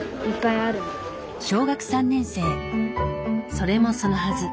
それもそのはず。